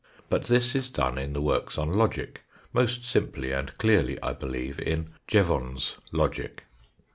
But this is done in the works on logic ; most simply and clearly I believe in " Jevon's Logic."